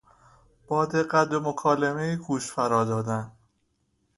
با دقت به مکالمهای گوش فرادادن